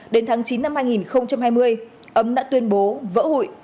đến tháng chín năm hai nghìn hai mươi ấm đã tuyên bố vỡ hụi